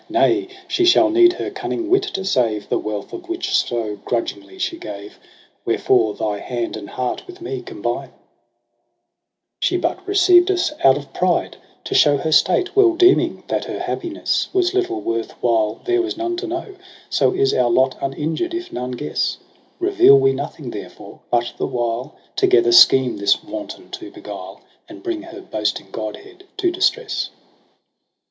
Nay, she shall need her cunning wit to save The wealth of which so grudgingly she gave ; Wherefore thy hand and heart with me combine. I 1 ii6 EROS ^ PSYCHE « She but received us out of pride, to show Her state, well deeming that her happiness Was little worth while there was none to know j So is our lot uninjured if none guess. Reveal we nothing therefore, but the while Together scheme this wanton to beguile. And bring her boasting godhead to distress.'